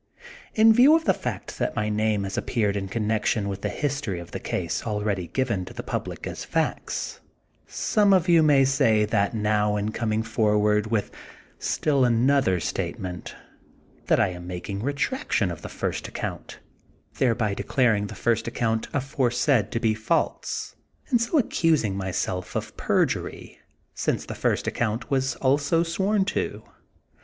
In view of the fact that my name has ap peared in connection with the history of the case already given to the public as facts^ some of you may say that in now coming forward with still another statement that I am making retraction of the first account, thereby declaring the first account afore said to be false, and so accusing myself of perjury, since the first account was also sworn to.